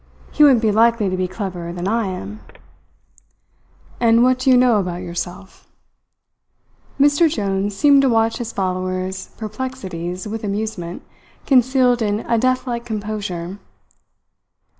He wouldn't be likely to be cleverer than I am." "And what do you know about yourself?" Mr Jones seemed to watch his follower's perplexities with amusement concealed in a death like composure.